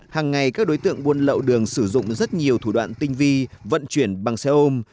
hàng ngày các đối tượng buôn lậu đường sử dụng rất nhiều thủ đoạn tinh vi vận chuyển bằng xe ôm